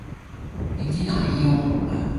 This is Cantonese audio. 兵來將擋